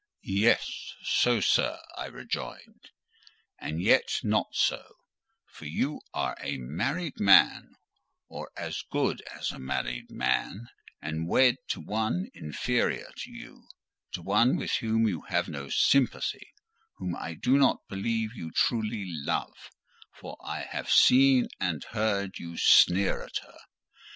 "Yes, so, sir," I rejoined: "and yet not so; for you are a married man—or as good as a married man, and wed to one inferior to you—to one with whom you have no sympathy—whom I do not believe you truly love; for I have seen and heard you sneer at her.